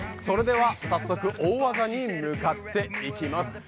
それでは早速大技に向かっていきます。